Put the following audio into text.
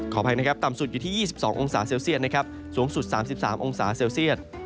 อภัยนะครับต่ำสุดอยู่ที่๒๒องศาเซลเซียตนะครับสูงสุด๓๓องศาเซลเซียต